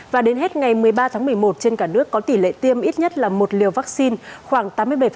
và đến hết ngày một mươi ba tháng một mươi một trên cả nước có tỷ lệ tiêm ít nhất là một liều vaccine khoảng tám mươi bảy